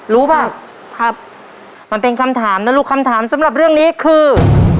ป่ะครับมันเป็นคำถามนะลูกคำถามสำหรับเรื่องนี้คือ